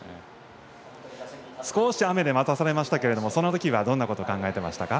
少し雨で待たされましたがその時はどんなことを考えていましたか。